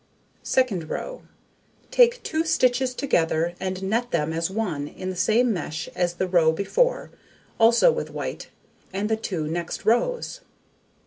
Second row: Take 2 stitches together and net them as one on the same mesh as the row before, also with white, and the 2 next rows.